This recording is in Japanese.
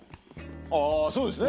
ああそうですね。